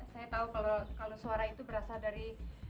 saya tahu kalau suara itu berasal dari